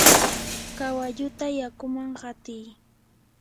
kawalluta yakuman qatiy.